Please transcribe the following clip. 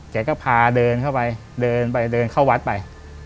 แกก็พาเดินเข้าไปเดินไปเดินเข้าวัดไป